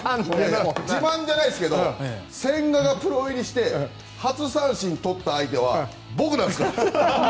自慢じゃないですけど千賀がプロ入りして初三振とった相手は僕なんですから。